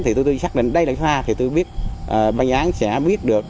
thì tụi tôi xác định đây là sotha thì tụi tôi biết băng án sẽ biết được